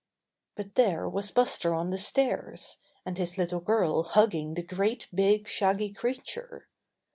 But there was Buster on the stairs, and his little girl hugging the great big, shaggy crea ture.